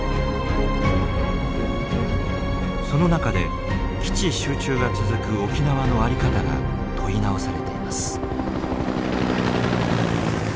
その中で基地集中が続く沖縄の在り方が問い直されています。